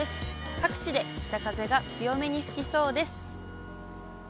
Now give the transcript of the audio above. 各地で北風が強めに吹きそうです。